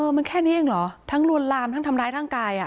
มันแค่นี้เองเหรอทั้งลวนลามทั้งทำร้ายร่างกาย